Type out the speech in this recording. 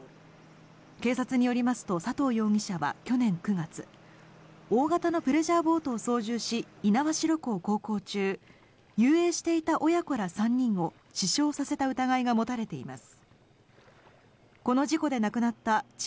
警察によりますと、佐藤容疑者は去年９月、大型のプレジャーボートを操縦し、猪苗代湖を航行中、遊泳していた親子ら３人を死傷させた疑いが持たれています。